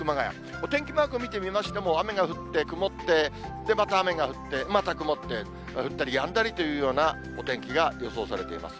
お天気マーク見てみましても、雨が降って、曇って、また雨が降って、また曇って、降ったりやんだりというようなお天気が予想されています。